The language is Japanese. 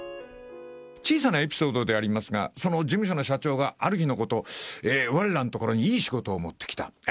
小さなエピソードでありますが、その事務所の社長がある日のこと、われらの所にいい仕事を持ってきた。